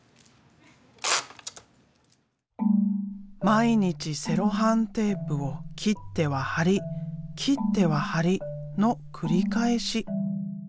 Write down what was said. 毎日セロハンテープを切っては貼り切っては貼りの繰り返し。